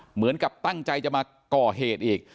เหมือนกับตั้งใจจะมาก่อเหตุอีก